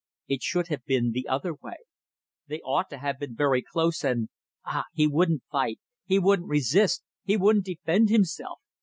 It should have been the other way. They ought to have been very close, and ... Ah! He wouldn't fight, he wouldn't resist, he wouldn't defend himself!